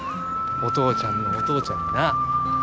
お父ちゃんのお父ちゃんにな。